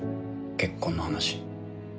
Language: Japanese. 結婚の話。